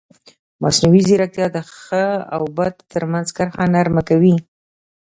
مصنوعي ځیرکتیا د ښه او بد ترمنځ کرښه نرمه کوي.